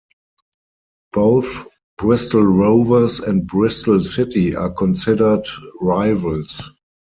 Both Bristol Rovers and Bristol City are considered rivals.